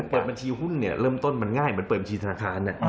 เปิดบัญชีหุ้นเนี่ยเริ่มต้นมันง่ายเหมือนเปิดบัญชีธนาคาร